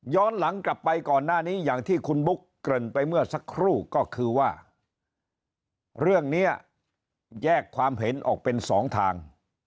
หลังกลับไปก่อนหน้านี้อย่างที่คุณบุ๊กเกริ่นไปเมื่อสักครู่ก็คือว่าเรื่องนี้แยกความเห็นออกเป็นสองทาง